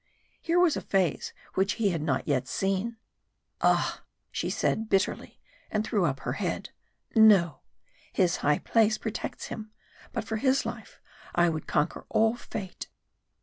Here was a phase which he had not yet seen. "Ah!" she said, bitterly, and threw up her head. "No! his high place protects him. But for his life I would conquer all fate."